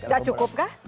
sudah cukup kah